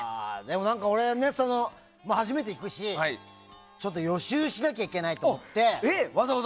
俺、初めて行くしちょっと予習しなきゃいけないと思って。